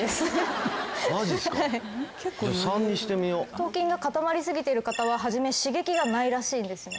頭筋が固まりすぎている方は初め刺激がないらしいんですね。